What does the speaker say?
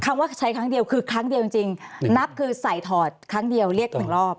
ว่าใช้ครั้งเดียวคือครั้งเดียวจริงนับคือใส่ถอดครั้งเดียวเรียกหนึ่งรอบ